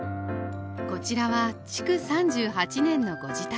こちらは築３８年のご自宅。